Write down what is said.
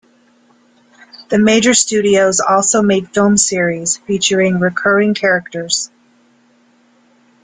The major studios also made film series featuring recurring characters.